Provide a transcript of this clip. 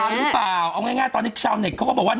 เรื่องแบบเข้าข้างการไหมแล้ว